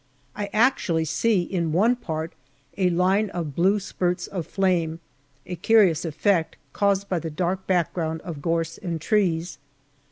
I actually see, in one part, a line of blue spurts of flame, a curious effect, caused by the dark background of gorse and trees.